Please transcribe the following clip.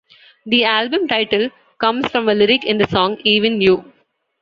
The album title comes from a lyric in the song "Even You".